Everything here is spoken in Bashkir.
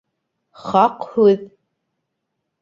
Хаҡ һүҙ.